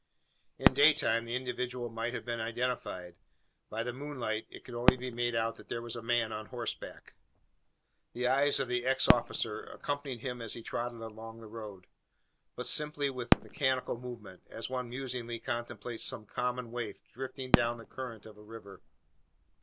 In daytime, the individual might have been identified; by the moonlight, it could only be made out that there was a man on horseback. The eyes of the ex officer accompanied him as he trotted along the road; but simply with mechanical movement, as one musingly contemplates some common waif drifting down the current of a river.